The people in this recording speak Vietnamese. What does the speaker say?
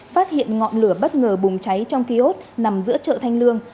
phát hiện ngọn lửa bất ngờ bùng cháy trong kiosk nằm giữa chợ thanh lương